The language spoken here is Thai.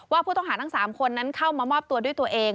ว่าผู้ต้องหาทั้ง๓คนนั้นเข้ามามอบตัวด้วยตัวเอง